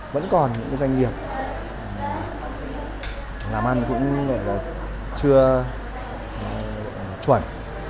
vẫn còn những doanh nghiệp làm ăn cũng chưa chuẩn